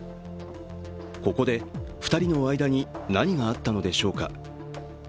ここで２人の間に何があったのでしょうか。